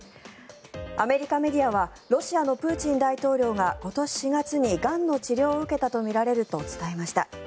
アメリカメディアはロシアのプーチン大統領が今年４月にがんの治療を受けたとみられると伝えました。